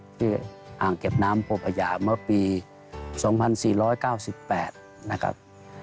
อ่างเก็บน้ำโพพญาเมื่อปี๒๔๙๘นะครับ